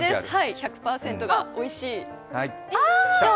１００％がおいしい。